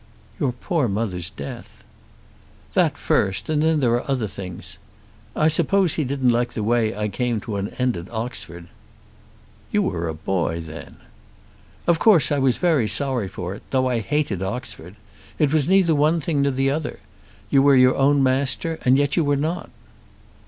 "Your poor mother's death." "That first; and then there are other things. I suppose he didn't like the way I came to an end at Oxford." "You were a boy then." "Of course I was very sorry for it, though I hated Oxford. It was neither one thing nor another. You were your own master and yet you were not."